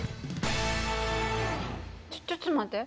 ちょちょっと待って。